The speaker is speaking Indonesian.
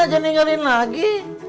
jangan nyingelin lagi